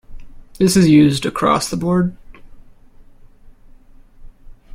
This is used across-the-board.